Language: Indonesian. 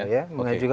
jadi ada pt un ini ya